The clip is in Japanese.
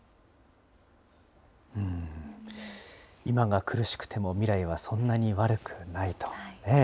今が苦しくても、未来はそんなに悪くないと。